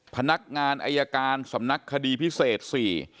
พนักงานอายการสำนักคดีพิเศษสี่